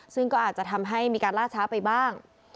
ซึ่งก็อาจจะทำให้มีการล่าช้าไปบ้าง